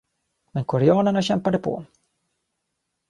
Men koreanerna kämpade på.